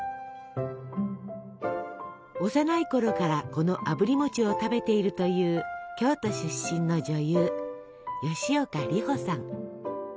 幼いころからこのあぶり餅を食べているという京都出身の女優吉岡里帆さん。